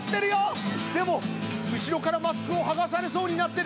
でも後ろからマスクを剥がされそうになってる。